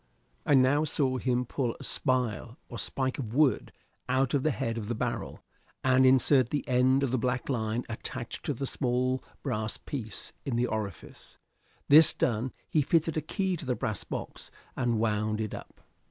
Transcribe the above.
I now saw him pull a spile or spike of wood out of the head of the barrel, and insert the end of the black line attached to the small brass piece in the orifice. This done he fitted a key to the brass box and wound it up.